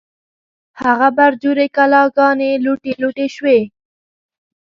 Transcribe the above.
هغه برجورې کلاګانې، لوټې لوټې شوې